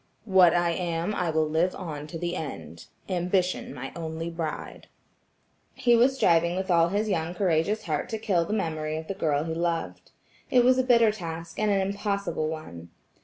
"What I am I will live on to the end–Ambition my only bride." He was striving with all his young courageous heart to kill the memory of the girl he loved. It was a bitter task, and an impossible one.